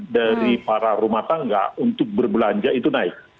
dari para rumah tangga untuk berbelanja itu naik